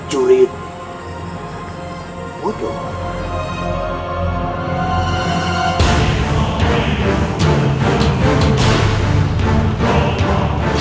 tidak ada apa apa